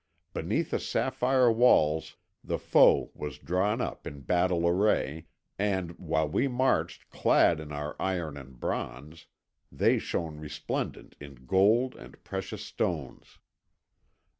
Beneath the sapphire walls the foe was drawn up in battle array, and, while we marched clad in our iron and bronze, they shone resplendent in gold and precious stones.